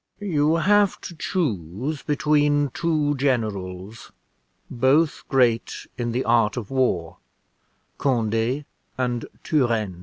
"You have to choose between two generals, both great in the art of war Conde and Turenne.